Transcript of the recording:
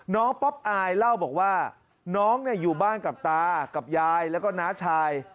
ป๊อปอายเล่าบอกว่าน้องอยู่บ้านกับตากับยายแล้วก็น้าชาย